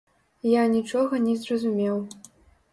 Я нічога не зразумеў.